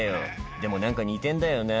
「でも何か似てんだよな」